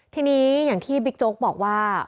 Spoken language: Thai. ทีนี้อย่างที่บิ๊กโจ๊กบอกว่า